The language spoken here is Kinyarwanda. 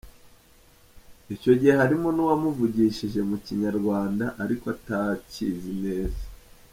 Icyo gihe harimo n’uwamuvugishije mu Kinyarwanda ariko atakizi neza.